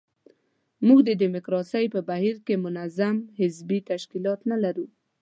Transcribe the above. موږ د ډیموکراسۍ په بهیر کې منظم حزبي تشکیلات نه لرو.